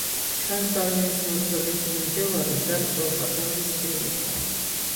ჩარლზ დარვინის მოძღვრების მიმდევარი და პროპაგანდისტი იყო.